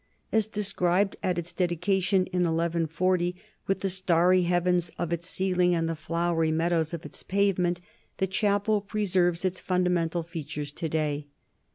As described at its dedication in 1140, with the starry heavens of its ceiling and the flowery meadows of its pavement, the chapel preserves its fundamental features to day.